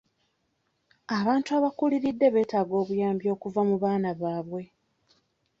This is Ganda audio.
Abantu abakuliridde beetaaga obuyambi okuva mu baana baabwe.